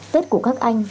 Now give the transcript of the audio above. tết của các anh